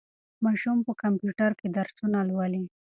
ماشومان په کمپیوټر کې درسونه لولي.